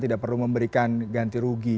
tidak perlu memberikan ganti rugi